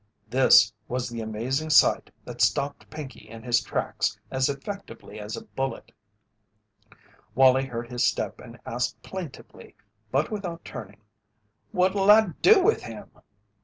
This was the amazing sight that stopped Pinkey in his tracks as effectively as a bullet. Wallie heard his step and asked plaintively but without turning: "What'll I do with him?"